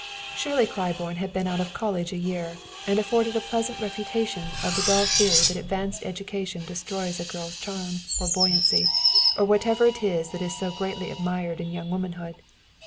Shirley Claiborne had been out of college a year, and afforded a pleasant refutation of the dull theory that advanced education destroys a girl's charm, or buoyancy, or whatever it is that is so greatly admired in young womanhood.